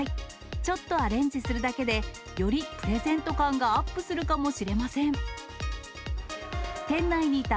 ちょっとアレンジするだけで、よりプレゼント感がアップするかもしれません。